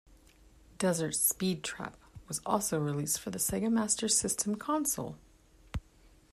"Desert Speedtrap" was also released for the Sega Master System console.